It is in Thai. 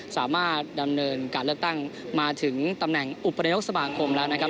สามารถดำเนินการเลือกตั้งมาถึงตำแหน่งอุปนายกสมาคมแล้วนะครับ